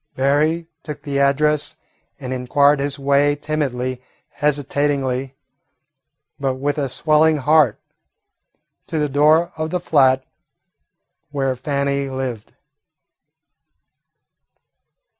Berry took the address and inquired his way timidly, hesitatingly, but with a swelling heart, to the door of the flat where Fannie lived.